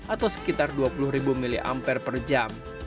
atau sekitar dua puluh ribu miliampere per jam